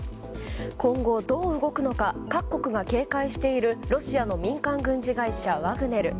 今後、どう動くのか各国が警戒しているロシアの民間軍事会社ワグネル。